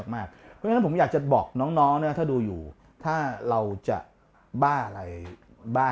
มากผมอยากจะบอกน้องนะถ้าดูอยู่ถ้าเราจะบ้าอะไรบ้า